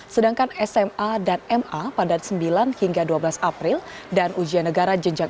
sedangkan sma dan ma pada sembilan